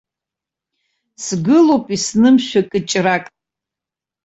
Сгылоуп иснымшәа кыҷрак.